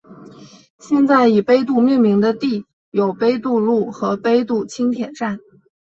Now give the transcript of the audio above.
现今以杯渡命名的地有杯渡路和杯渡轻铁站。